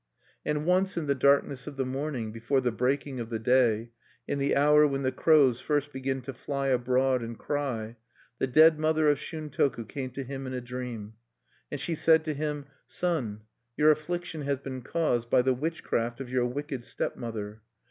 And once in the darkness of the morning, before the breaking of the day, in the hour when the crows first begin to fly abroad and cry, the dead mother of Shuntoku came to him in a dream. And she said to him: "Son, your affliction has been caused by the witchcraft of your wicked stepmother.